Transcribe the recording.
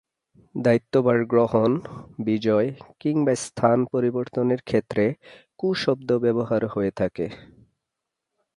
দায়িত্বভার গ্রহণ, বিজয় কিংবা স্থান পরিবর্তনের ক্ষেত্রে ক্যু শব্দ ব্যবহার হয়ে থাকে।